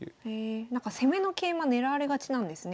攻めの桂馬狙われがちなんですね